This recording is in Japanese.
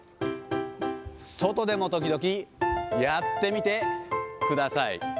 外でも時々やってみてください。